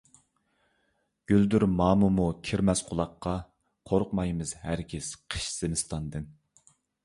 گۈلدۈرمامىمۇ كىرمەس قۇلاققا، قورقمايمىز ھەرگىز قىش - زىمىستاندىن.